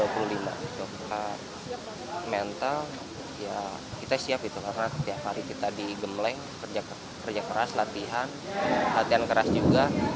kita siap mental kita siap karena setiap hari kita digemleng kerja keras latihan latihan keras juga